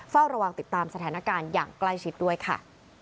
เฝ้าระวังติดตามสถานการณ์อย่างใกล้ชิดด้วยค่ะ